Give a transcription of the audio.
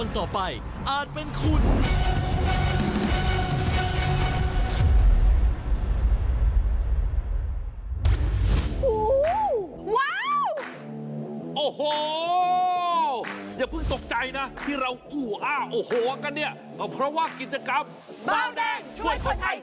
ต้องบอกอย่างนี้จริงว่าบาวแดงเนี่ยช่วยคนไทย